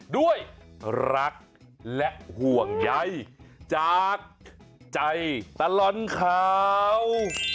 ด้วยรักและห่วงใยจากใจตลอดข่าว